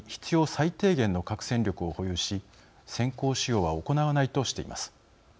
最低限の核戦力を保有し先行使用は行わないとしています。